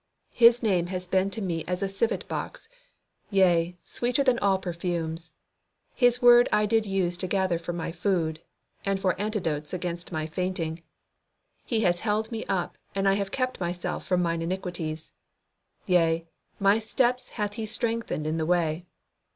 His name has been to me as a civet box, yea, sweeter than all perfumes. His word I did use to gather for my food, and for antidotes against my faintings. He has held me up, and I have kept myself from mine iniquities. Yea, my steps hath He strengthened in the way."